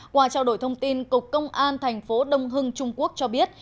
qua trao đổi thông tin cục công an thành phố đông hưng trung quốc cho biết